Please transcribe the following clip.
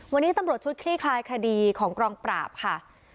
วันนี้ตำรวจชุดคลี่คลายคดีของกองปราบค่ะ